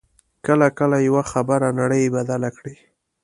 کله کله یوه خبره نړۍ بدله کړي